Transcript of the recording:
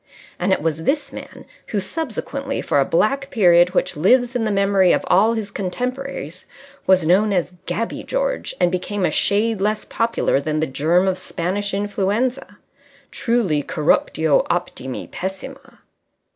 And it was this man who subsequently, for a black period which lives in the memory of all his contemporaries, was known as Gabby George and became a shade less popular than the germ of Spanish Influenza. Truly, _corruptio optimi pessima!